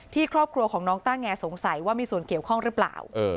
ครอบครัวของน้องต้าแงสงสัยว่ามีส่วนเกี่ยวข้องหรือเปล่า